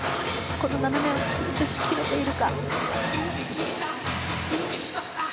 この斜めをキープしきれているか。